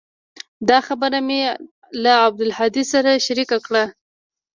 دا خبره مې له عبدالهادي سره شريکه کړه.